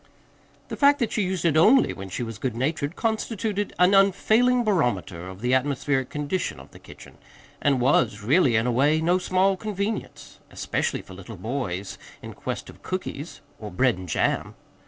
The fact that she used it ONLY when she was good natured constituted an unfailing barometer of the atmospheric condition of the kitchen, and was really, in a way, no small convenience especially for little boys in quest of cookies or bread and jam.